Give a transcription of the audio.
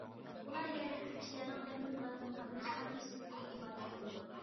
ئۇلار يەرلىكتىكى كىشىلەرنىڭ دەپنە مۇراسىمىغا قاتناشقان، مەسچىتكە بېرىپ ئىبادەت قىلىدۇ.